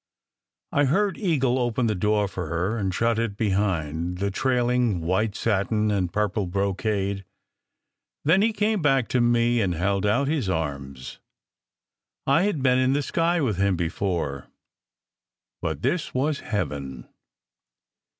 I heard Eagle open the door for her, and shut it behind the trailing white satin and purple brocade. Then he came back to me and held out his arms. I had been in the sky with him before, but this was heaven.